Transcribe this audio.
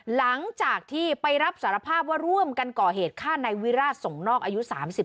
หลังจากที่ไปรับสารภาพว่าร่วมกันก่อเหตุฆ่าในวิราชส่งนอกอายุ๓๓